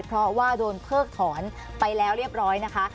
เพราะว่าโดนเพิกถอนไปแล้วเรียบร้อยนะคะ